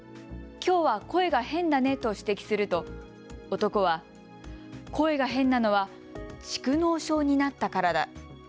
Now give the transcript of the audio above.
きょうは声が変だねと指摘すると男は声が変なのは蓄のう症になったからだ。